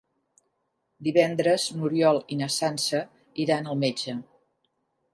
Divendres n'Oriol i na Sança iran al metge.